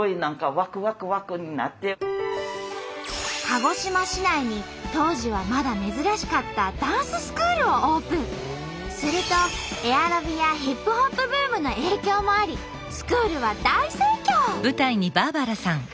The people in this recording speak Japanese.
鹿児島市内に当時はまだ珍しかったするとエアロビやヒップホップブームの影響もありスクールは大盛況！